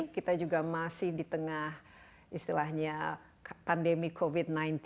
kita juga masih di tengah istilahnya pandemi covid sembilan belas